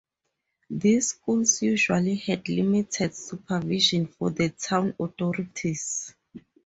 These schools usually had limited supervision from the town authorities.